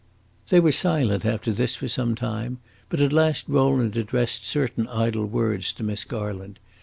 They were silent after this, for some time, but at last Rowland addressed certain idle words to Miss Garland.